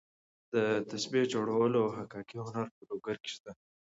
د تسبیح جوړولو او حکاکۍ هنر په لوګر کې شته.